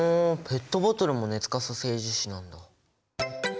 ペットボトルも熱可塑性樹脂なんだ。